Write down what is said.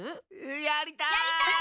やりたい！